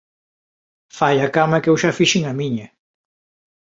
Fai a cama que eu xa fixen a miña.